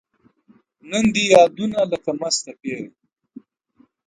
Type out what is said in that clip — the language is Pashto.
نن دي یادونو لکه مسته پیغله